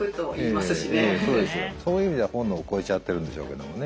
そういう意味では本能を超えちゃってるんでしょうけどもね。